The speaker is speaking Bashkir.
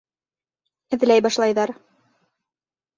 Эҙләй башлайҙар.